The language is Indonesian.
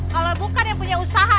kalau bukan yang punya usaha